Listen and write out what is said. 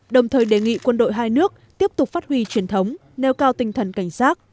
đồng thời đề nghị quân đội hai nước tiếp tục phát huy truyền thống nêu cao tinh thần cảnh sát